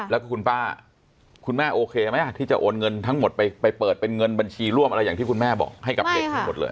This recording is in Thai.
แล้วก็คุณป้าคุณแม่โอเคไหมที่จะโอนเงินทั้งหมดไปเปิดเป็นเงินบัญชีร่วมอะไรอย่างที่คุณแม่บอกให้กับเด็กมีหมดเลย